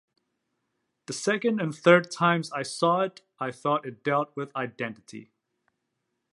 The second and third times I saw it, I thought it dealt with identity.